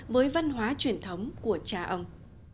với văn hóa truyền thống của cha ông